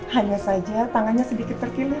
hanya saja tangannya sedikit terkini